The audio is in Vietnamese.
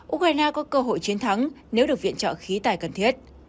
ukraine có cơ hội chiến thắng nếu được viện trợ khí tài cần thiết